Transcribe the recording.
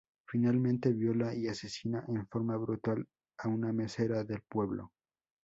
Finalmente, viola y asesina en forma brutal a una mesera del pueblo.